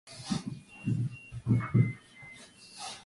These contradictions led to some doubt on the discovery of copernicium.